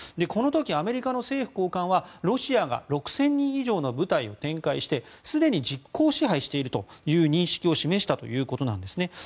この時、アメリカ政府高官はロシアが６０００人以上の部隊を展開してすでに実効支配しているという認識を示したということなんですね。